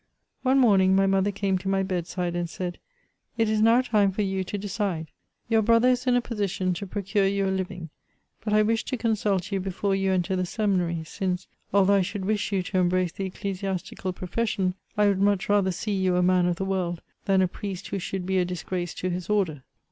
One morning, my mother came to my bedside, and said :" It is now time for you to decide ; your brother is in a position to procure you a living ; but I wish to consult you before you enter the seminary, since, although I should wish you to embrace the ecclesiastical profession, I would much rather see you a man of the world than a priest who should be a disgrace to his order."